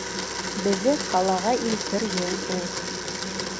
Беҙҙе ҡалаға илтер юл ул.